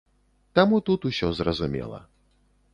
Таму тут усё зразумела.